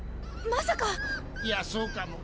まさか⁉いやそうかも。